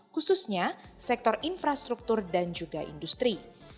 khususnya sektor infrastruktur dan juga industri